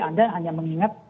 anda hanya mengingat